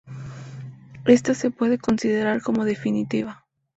Esta se puede considerar como definitiva.